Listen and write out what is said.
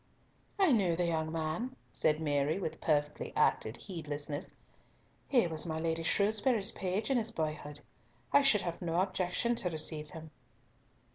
"I knew the young man," said Mary, with perfectly acted heedlessness. "He was my Lady Shrewsbury's page in his boyhood. I should have no objection to receive him."